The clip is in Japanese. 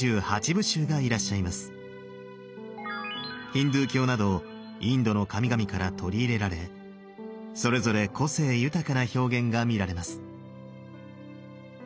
ヒンドゥー教などインドの神々から取り入れられそれぞれ個性豊かな表現が見られます。